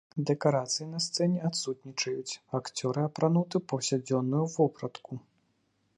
Дэкарацыі на сцэне адсутнічаюць, акцёры апрануты ў паўсядзённую вопратку.